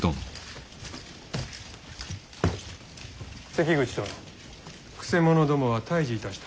関口殿くせ者どもは退治いたした。